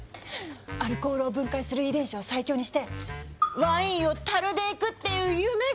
アルコールを分解する遺伝子を最強にしてワインを樽でいくっていう夢が！